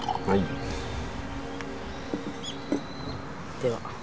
では。